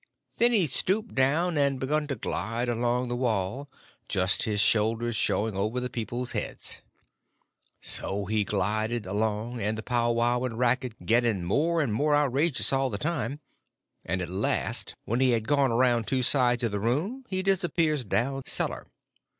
Then he stooped down and begun to glide along the wall, just his shoulders showing over the people's heads. So he glided along, and the powwow and racket getting more and more outrageous all the time; and at last, when he had gone around two sides of the room, he disappears down cellar.